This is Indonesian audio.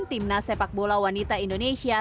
timnas sepak bola wanita indonesia